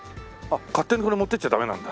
勝手にこれ持っていっちゃダメなんだ。